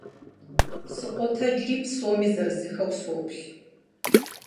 Сыкъотэджри, псоми зырызыххэу соплъ.